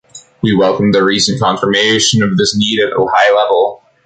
We welcome the recent confirmation of this need at a high level.